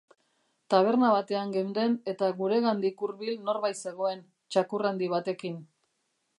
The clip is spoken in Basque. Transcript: Taberna batean geunden eta guregandik hurbil norbait zegoen, txakur handi batekin.